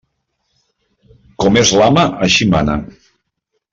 Com és l'ama, així mana.